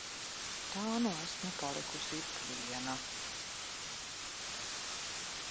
Tā nu es esmu palikusi viena.